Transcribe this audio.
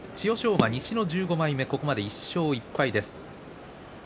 馬、西の１５枚目でここまで１勝１敗です。